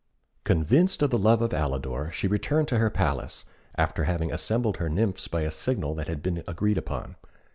Convinced of the love of Alidor, she returned to her palace, after having assembled her nymphs by a signal that had been agreed upon.